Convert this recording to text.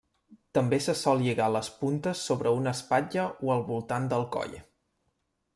També se sol lligar les puntes sobre una espatlla o al voltant del coll.